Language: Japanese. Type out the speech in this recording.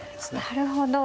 なるほど。